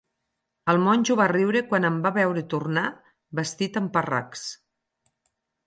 El monjo va riure quan em va veure tornar vestit en parracs.